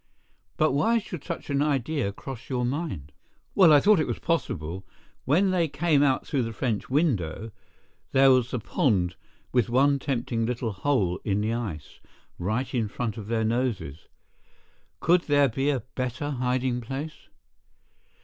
"But why should such an idea cross your mind?" "Well, I thought it was possible. When they came out through the French window, there was the pond with one tempting little hole in the ice, right in front of their noses. Could there be a better hiding place?"